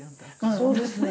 そうですね。